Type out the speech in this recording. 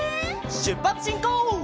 しゅっぱつしんこう！